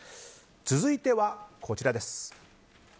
続いてはこちらです。